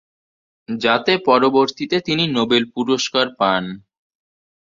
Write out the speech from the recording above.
যাতে পরবর্তীতে তিনি নোবেল পুরস্কার পান।